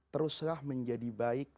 teruslah menjadi baik